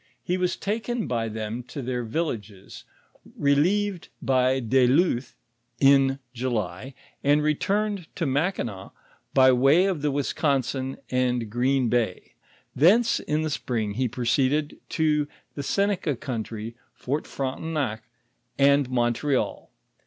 He was taken by them to their villages, relieved by de Luth in JiUy, and returned to Mackinaw by woy of the Wisconsin and Green bay. Tlience, in the spring, he proceeded to the Seneca country. Fort Fron tenac and Montreal.